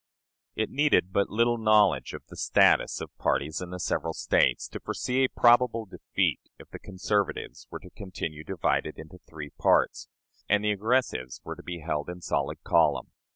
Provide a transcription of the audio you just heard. It needed but little knowledge of the status of parties in the several States to foresee a probable defeat if the conservatives were to continue divided into three parts, and the aggressives were to be held in solid column.